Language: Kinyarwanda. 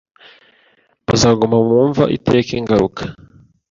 bazaguma mu mva iteka ingaruka